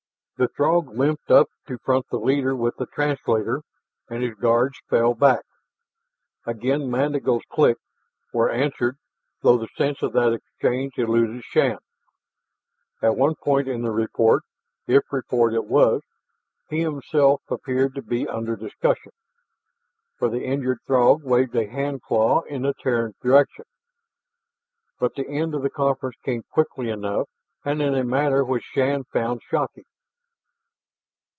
The Throg limped up to front the leader with the translator, and his guards fell back. Again mandibles clicked, were answered, though the sense of that exchange eluded Shann. At one point in the report if report it was he himself appeared to be under discussion, for the injured Throg waved a hand claw in the Terran's direction. But the end to the conference came quickly enough and in a manner which Shann found shocking.